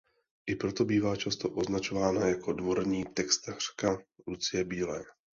I proto bývá často označována jako dvorní textařka Lucie Bílé.